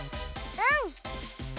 うん！